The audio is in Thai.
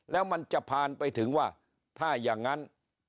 แล้วมันจะผ่านไปถึงว่าถ้าอย่างนั้น